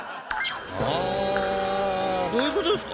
どういうことですか？